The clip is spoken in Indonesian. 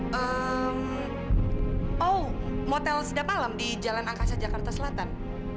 kau motel sedap malam di jalan angkasa jakarta selatan